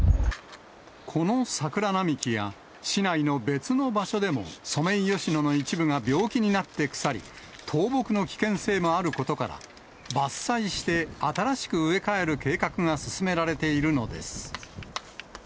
この桜並木や、市内の別の場所でも、ソメイヨシノの一部が病気になって腐り、倒木の危険性もあることから、伐採して、新しく植え替える計画が進められているのです。